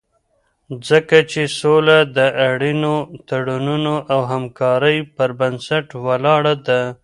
ځکه چې سوله د اړینو تړونونو او همکارۍ پر بنسټ ولاړه ده.